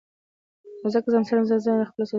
نو ځکه زیاتره مسلمان زایرین خپلې سوداوې هلته اخلي.